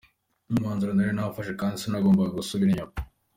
Ni umwanzuro nari nafashe kandi sinagombaga gusubira inyuma.